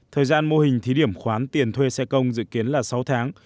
thời gian mô hình thí điểm khoán tiền thuê xe công dự kiến là sáu tháng